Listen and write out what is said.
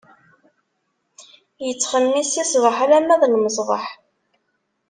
Ittxemmis si ṣṣbeḥ alamma d lmesbeḥ.